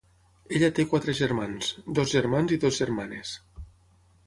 Ella té quatre germans, dos germans i dues germanes.